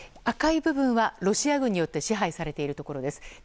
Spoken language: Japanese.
赤い部分はロシア軍によって支配されているところです。